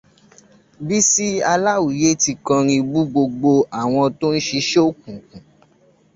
Bísí Aláwìíyé ti kọrin bú gbogbo àwọn tó ń ṣiṣẹ́ òkùnkùn